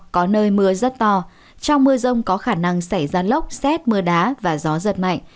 có nơi mưa rất to trong mưa rông có khả năng xảy ra lốc xét mưa đá và gió giật mạnh